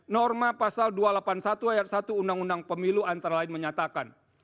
norma pasal dua ratus delapan puluh satu ayat satu undang undang pemilu antara lain menyatakan